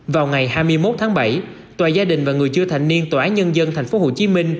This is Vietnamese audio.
vào ngày hai mươi một tháng bảy tòa gia đình và người chưa thành niên tòa án nhân dân tp hcm